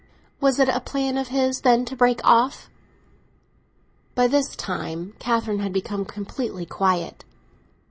"Was it a plan of his, then, to break off—?" By this time Catherine had become completely quiet.